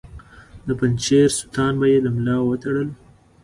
د پنجشیر ستوان به یې له ملا وتړل.